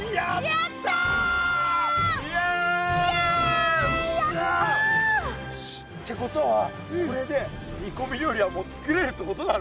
やった！ってことはこれで煮こみ料理はもうつくれるってことだろ？